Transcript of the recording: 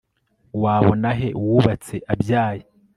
wabona he uwubatse abyaye